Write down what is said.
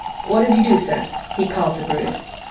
What did you do, sir?" he called to Bruce.